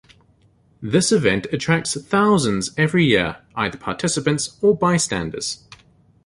This event attracts thousands every year either participants or bystanders.